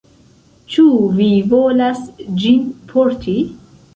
Ĉu vi volas ĝin porti?